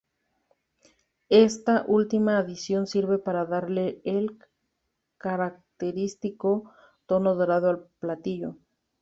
Esta última adición sirve para darle el característico tono dorado al platillo.